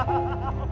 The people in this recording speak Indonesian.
aku banyak uang